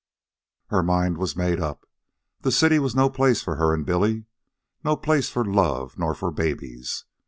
Her mind was made up. The city was no place for her and Billy, no place for love nor for babies.